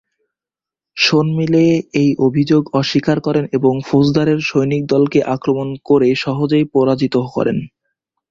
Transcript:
শোনমিলে এ অভিযোগ অস্বীকার করেন এবং ফৌজদারের সৈন্যদলকে আক্রমণ করে সহজেই পরাজিত করেন।